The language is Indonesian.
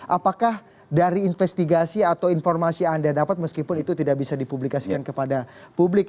apakah dari investigasi atau informasi yang anda dapat meskipun itu tidak bisa dipublikasikan kepada publik